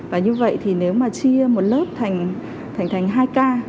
và như vậy thì nếu mà chia một lớp thành hai cái lớp học